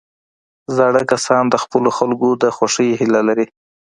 زاړه کسان د خپلو خلکو د خوښۍ هیله لري